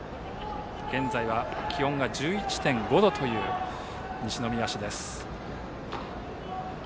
現在は気温が１１．５度という西宮市です。